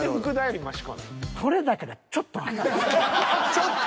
ちょっと？